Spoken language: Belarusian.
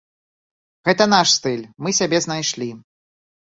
Гэта наш стыль, мы сябе знайшлі.